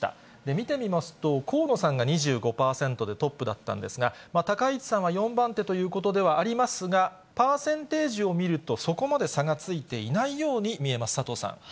見てみますと、河野さんが２５％でトップだったんですが、高市さんは４番手ということではありますが、パーセンテージを見ると、そこまで差がついていないように見えます、佐藤さん。